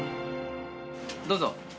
どうぞ。